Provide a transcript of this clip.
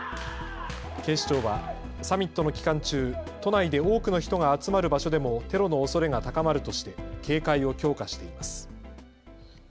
警視庁はサミットの期間中、都内で多くの人が集まる場所でもテロのおそれが高まるとして警戒を強化しています。